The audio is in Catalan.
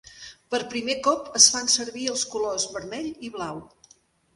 Per primer cop es fan servir els colors vermell i blau.